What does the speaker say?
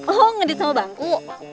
oh ngedat sama bangku